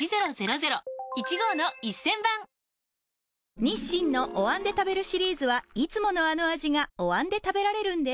日清のお椀で食べるシリーズはいつものあの味がお椀で食べられるんです